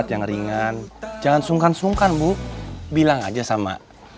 jangan sungkan sungkan bu bilang aja sama